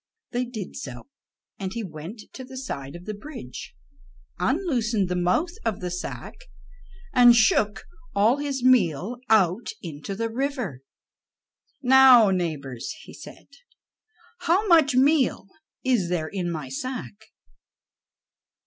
They did so, and he went to the side of the bridge, unloosened the mouth of the sack, and shook all his meal out into the river. "Now, neighbors," he said, "how much meal is there in my sack?"